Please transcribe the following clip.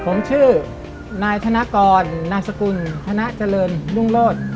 ผมชื่อนายธนกรนามสกุลธนาเจริญรุ่งโลศ